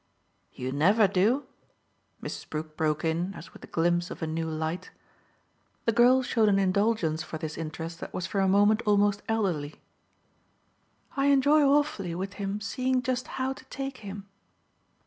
"You never do?" Mrs. Brook broke in as with the glimpse of a new light. The girl showed an indulgence for this interest that was for a moment almost elderly. "I enjoy awfully with him seeing just how to take him."